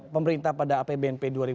pemerintah pada apbnp dua ribu enam belas